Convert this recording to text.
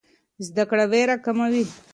زده کړه ویره کموي.